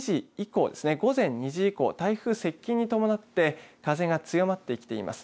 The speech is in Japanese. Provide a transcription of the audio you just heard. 午前２時以降、台風接近に伴って風が強まってきています。